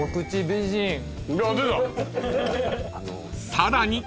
［さらに］